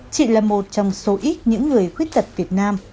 chị là một trong số ít những người khuyết tật việt nam